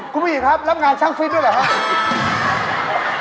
คุณผู้หญิงครับรับงานช่างฟิตด้วยเหรอครับ